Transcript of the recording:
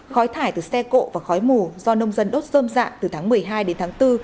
khói thải từ xe cộ và khói mù do nông dân đốt dơm dạ từ tháng một mươi hai đến tháng bốn